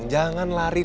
mas jangan lari